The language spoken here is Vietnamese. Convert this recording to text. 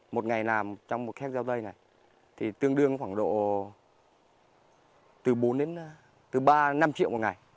một ngày làm trong một hecta dâu tây này thì tương đương khoảng độ từ bốn đến từ ba năm triệu một ngày